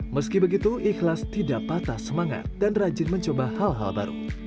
meski begitu ikhlas tidak patah semangat dan rajin mencoba hal hal baru